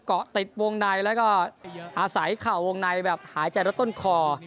เกาะติดวงในแล้วก็อาศัยเข่าวงในแบบหายใจรถต้นคอ